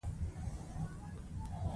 کوتره له آرامه ځایه خوند اخلي.